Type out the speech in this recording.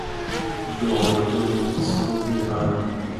Ja, naturligtvis, låt mig höra.